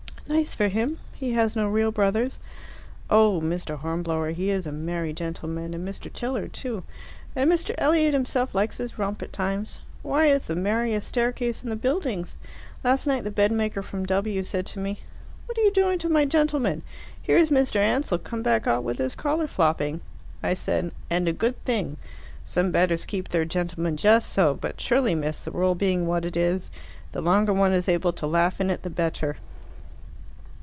"Nice for him. He has no real brothers." "Oh, Mr. Hornblower, he is a merry gentleman, and Mr. Tilliard too! And Mr. Elliot himself likes his romp at times. Why, it's the merriest staircase in the buildings! Last night the bedmaker from W said to me, 'What are you doing to my gentlemen? Here's Mr. Ansell come back 'ot with his collar flopping.' I said, 'And a good thing.' Some bedders keep their gentlemen just so; but surely, miss, the world being what it is, the longer one is able to laugh in it the better."